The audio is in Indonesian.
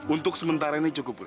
untuk sementara ini cukup mudah